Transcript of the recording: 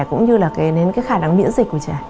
cũng như khả năng miễn dịch của trẻ